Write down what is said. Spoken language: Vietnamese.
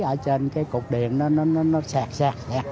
ở trên cái cục điện nó sạc sạc